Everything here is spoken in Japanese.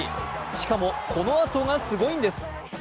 しかもこのあとがすごいんです。